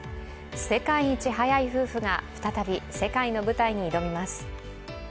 世界一速い夫婦が再び、世界の舞台に挑みます。